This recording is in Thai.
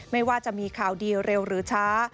ไม่ว่าจะมีข่าวดีเร็วหรือช้า